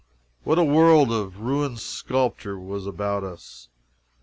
What a world of ruined sculpture was about us!